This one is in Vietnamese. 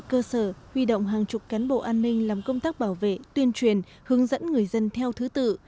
cơ sở huy động hàng chục cán bộ an ninh làm công tác bảo vệ tuyên truyền hướng dẫn người dân theo thứ tự